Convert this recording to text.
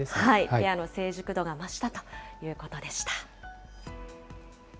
ペアの成熟度が増したということでした。